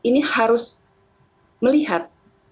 ini harus melihat